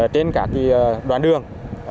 trên các đoàn đường